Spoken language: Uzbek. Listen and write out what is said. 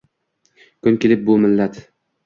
Kun kelib, bu millat